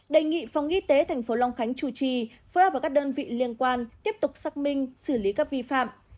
đề nghị phòng y tế tp long khánh chủ trì phối hợp với các đơn vị liên quan tiếp tục xác minh xử lý các vi phạm